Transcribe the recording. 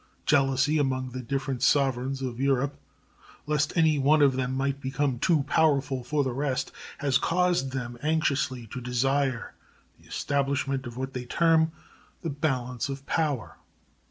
Jealousy among the different sovereigns of Europe, lest any one of them might become too powerful for the rest, has caused them anxiously to desire the establishment of what they term the "balance of power."